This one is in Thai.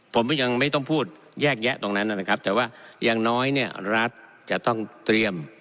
ผมยังไม่ต้องพูดแยกแยะตรงนั้นนะครับแต่ว่าอย่างน้อยเนี่ยรัฐจะต้องเตรียม